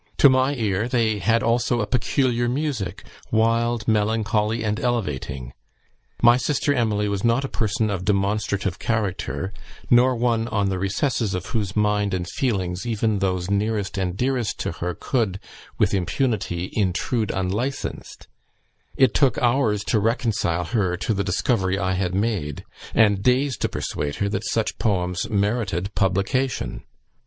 To my ear they had also a peculiar music, wild, melancholy, and elevating. My sister Emily was not a person of demonstrative character, nor one on the recesses of whose mind and feelings even those nearest and dearest to her could, with impunity, intrude unlicensed: it took hours to reconcile her to the discovery I had made, and days to persuade her that such poems merited publication